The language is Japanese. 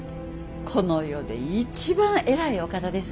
この世で一番偉いお方です。